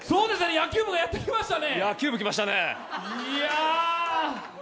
野球部がやってきましたね。